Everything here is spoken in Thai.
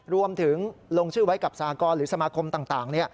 รวมถึงลงชื่อไว้กับสากรหรือสมาคมต่าง